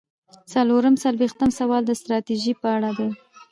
څلور څلویښتم سوال د ستراتیژۍ په اړه دی.